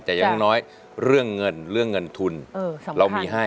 แต่อย่างน้อยเรื่องเงินเรื่องเงินทุนเรามีให้